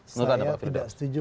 saya tidak setuju